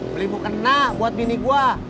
beli mukena buat bini gue